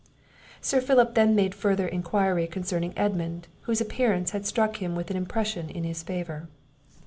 Sir Philip then made further enquiry concerning Edmund, whose appearance had struck him with an impression in his favour.